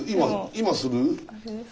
今する？